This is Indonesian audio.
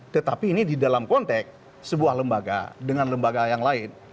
tetapi ini di dalam konteks sebuah lembaga dengan lembaga yang lain